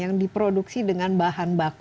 yang diproduksi dengan bahan baku